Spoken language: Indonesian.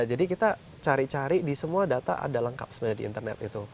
jadi kita cari cari di semua data ada lengkap sebenarnya di internet itu